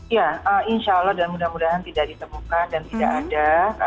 ya insya allah dan mudah mudahan tidak ditemukan dan tidak ada